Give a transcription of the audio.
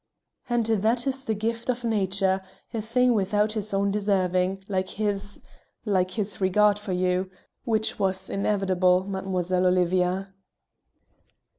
"And that the gift of nature, a thing without his own deserving, like his like his regard for you, which was inevitable, Mademoiselle Olivia."